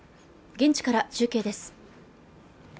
現地から中継です